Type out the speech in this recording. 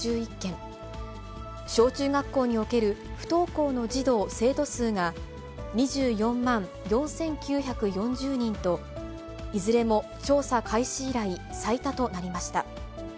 小中学校における不登校の児童・生徒数が、２４万４９４０人と、いずれも調査開始以来、最多となりました。